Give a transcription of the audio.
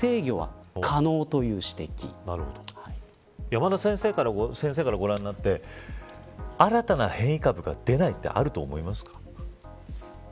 山田先生からご覧になって新たな変異株が出ないってあると思いますか。